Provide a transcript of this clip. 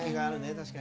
確かに。